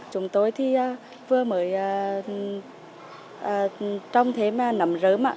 chúng tôi vừa mới trồng thêm nấm rớm